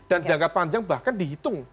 dan jangka panjang bahkan dihitung